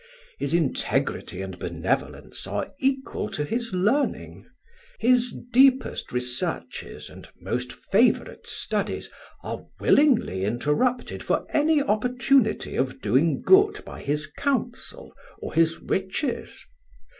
"His integrity and benevolence are equal to his learning. His deepest researches and most favourite studies are willingly interrupted for any opportunity of doing good by his counsel or his riches.